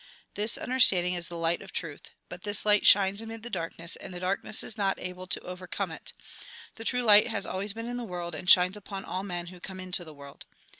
This understanding is the light of truth. But this light shines amid the darkness, and the dark ness is not able to overcome it. The true light has always been in the world, and shines upon all men who come into the world.